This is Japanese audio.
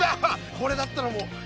これだったらもう。